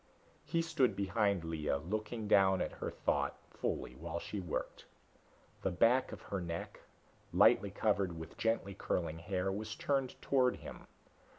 He stood behind Lea, looking down at her thoughtfully while she worked. The back of her neck, lightly covered with gently curling hair, was turned toward him.